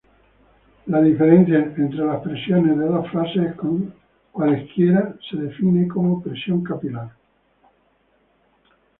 La diferencia entre las presiones de dos fases cualesquiera se define como presión capilar.